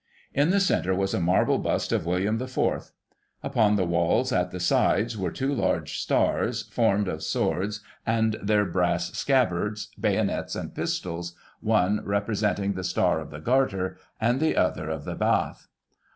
In the centre was a marble bust of William IV. Upon the walls, at the sides, were two large stars, formed of swords, and their brass scabbards, bayonets and pistols, one representing the Star of the Garter, and the other of the Bath.